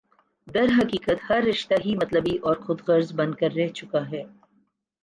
درحقیقت ہر رشتہ ہی مطلبی اور خودغرض بن کر رہ چکا ہے